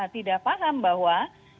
tidak paham bahwa